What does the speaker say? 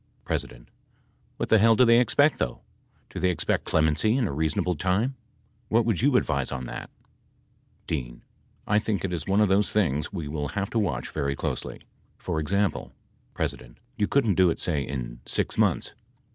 P. What the hell do they expect though ? Do they expect clemency in a reasonable time ? What would you advise on that ? D. I think it is one of those things we will have to watch very closely. For example, P. You couldn't do it, say, in six months.